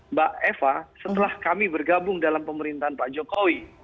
mbak eva setelah kami bergabung dalam pemerintahan pak jokowi